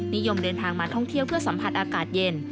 นิยมเดินทางมาท่องเที่ยวเพื่อสัมผัสอากาศเย็น